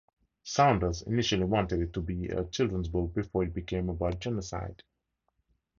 Saunders initially wanted it to be a children's book before it "became about genocide".